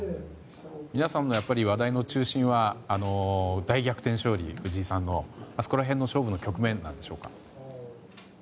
皆さんの話題の中心は藤井さんの大逆転勝利あそこら辺の勝負の局面なんでしょうか？